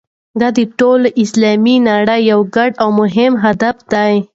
دا د ټولې اسلامي نړۍ یو ګډ او مهم هدف دی.